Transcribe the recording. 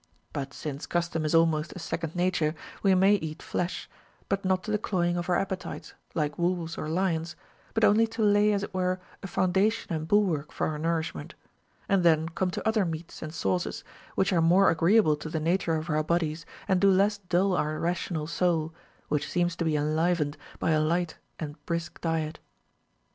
But since custom is almost a second nature, we may eat flesh, but not to the cloying of our appetites, like Λvolves or lions, but only to lay as it were a foundation and bulwark for our nourishment, — and then come to other meats and sauces which are more agreeable to the nature of our bodies and do less dull our rational soul, which seems to be enlivened by a light and brisk diet.